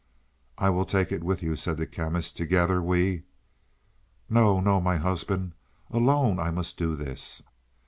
"I will take it with you," said the Chemist. "Together we " "No, no, my husband. Alone I must do this.